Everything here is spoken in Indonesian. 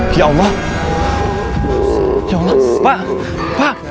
siapa yang mau mati